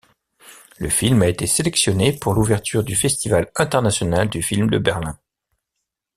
Le film a été sélectionné pour l'ouverture du Festival international du film de Berlin.